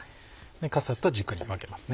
かさと軸に分けますね。